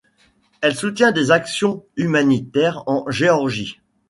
Elle soutient des actions humanitaires en Géorgie.